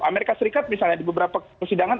amerika serikat misalnya di beberapa persidangan